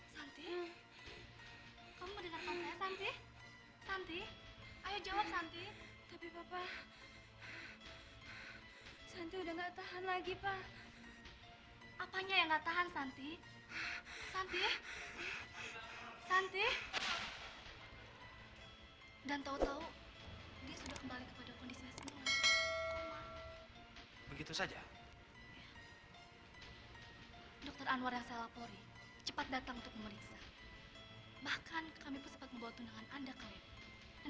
sebaiknya kita bicarakan dulu saja bengka